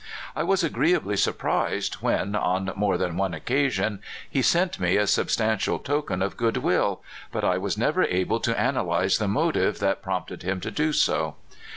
1 was agreeably surprised when, on more than one occa sion, he sent me a substantial token of good will, but I was never able to analyze the motive that prompted him to do so.